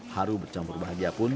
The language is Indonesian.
haru bercampur bahagia pun